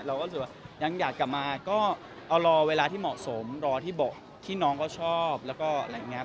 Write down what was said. รู้สึกว่ายังอยากกลับมาก็เอารอเวลาที่เหมาะสมรอที่เบาะที่น้องเขาชอบแล้วก็อะไรอย่างนี้